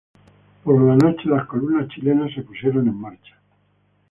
Por la noche, las columnas chilenas se pusieron en marcha.